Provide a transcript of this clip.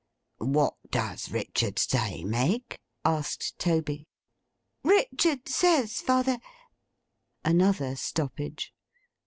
'What does Richard say, Meg?' asked Toby. 'Richard says, father—' Another stoppage.